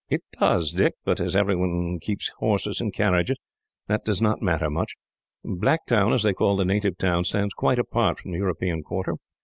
"It does, Dick; but, as every one keeps horses and carriages, that does not matter much. Blacktown, as they call the native town, stands quite apart from the European quarter."